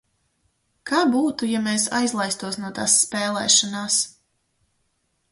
Kā būtu, ja mēs aizlaistos no tās spēlēšanās?